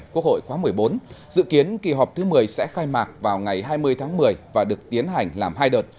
quốc hội khóa một mươi bốn dự kiến kỳ họp thứ một mươi sẽ khai mạc vào ngày hai mươi tháng một mươi và được tiến hành làm hai đợt